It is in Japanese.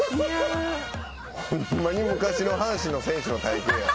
ホンマに昔の阪神の選手の体形や。